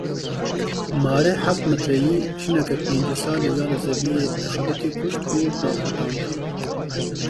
Marê heft metreyî jineke pêncî salî ya li zeviyê dixebitî kuşt û daqurtand!